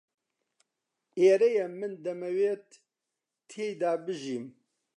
ئێرەیە من دەمەوێت تێیدا بژیم.